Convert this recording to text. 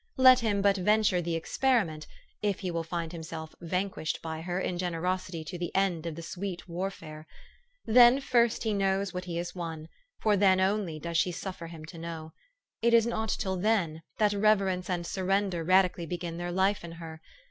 Let him but venture the experiment, if he will find himself vanquished by her in generosity to the end of the sweet warfare. Then first he knows what he has won ; for then onty does she suffer him to know. It is not till then, that reverence and surrender radi cally begin their life in her.